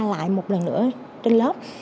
lại một lần nữa trên lớp